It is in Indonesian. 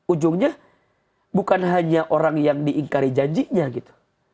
ujungnya bukan hanya orang yang diingkari janjinya gitu